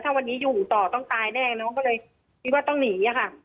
ถ้าวันนี้อยู่ต่อต้องตายแน่น้องก็เลยคิดว่าต้องหนีค่ะ